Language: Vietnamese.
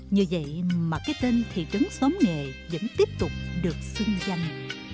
như vậy mà cái tên thị trấn xóm nghề vẫn tiếp tục được xưng danh